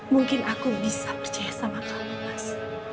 mungkin aku bisa percaya sama kamu mas